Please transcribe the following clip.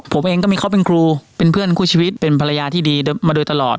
ผมเองก็มีเขาเป็นครูเป็นเพื่อนคู่ชีวิตเป็นภรรยาที่ดีมาโดยตลอด